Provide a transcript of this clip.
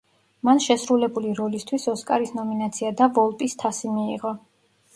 მან შესრულებული როლისთვის ოსკარის ნომინაცია და ვოლპის თასი მიიღო.